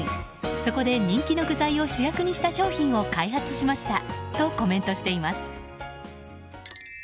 そこで、人気の具材を主役にした商品を開発しましたとコメントしています。